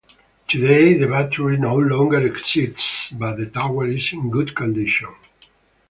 Today, the battery no longer exists but the tower is in good condition.